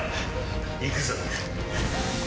行くぞ。